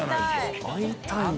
会いたいよな。